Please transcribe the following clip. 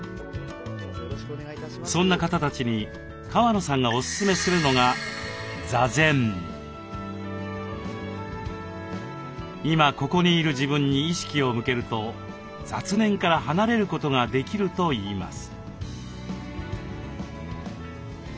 そんな方たちに川野さんがおすすめするのが今ここにいる自分に意識を向けると雑念から離れることができるといいます。